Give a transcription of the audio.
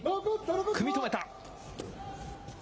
組みとめた。